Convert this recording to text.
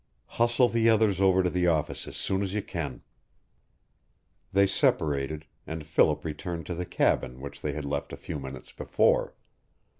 Hustle the others over to the office as soon as you can." They separated, and Philip returned to the cabin which they had left a few minutes before.